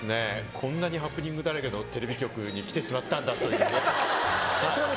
こんなにハプニングだらけのテレビ局に来てしまったんだというね。